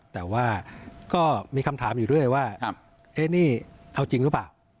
แต่ว่าก็มีคำถามอยู่เรื่อยว่านี่เอาจริงหรือเปล่า